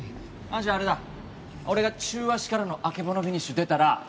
じゃああれだ俺が中足からのあけぼのフィニッシュ出たら